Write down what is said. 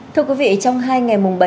thưa quý vị trong hai ngày mùng bảy